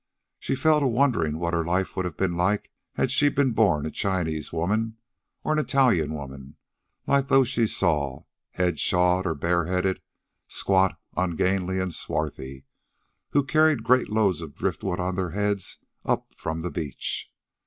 She fell to wondering what her life would have been like had she been born a Chinese woman, or an Italian woman like those she saw, head shawled or bareheaded, squat, ungainly and swarthy, who carried great loads of driftwood on their heads up from the beach.